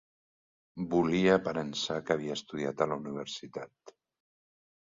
Volia aparençar que havia estudiat a la universitat.